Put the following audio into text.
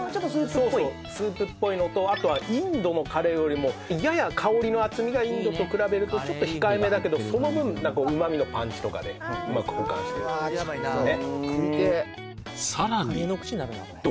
そうそうスープっぽいのとあとはインドのカレーよりもやや香りの厚みがインドと比べるとちょっと控えめだけどその分旨味のパンチとかでうまく補完してるっていうね